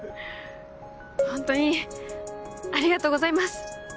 ホントにありがとうございます。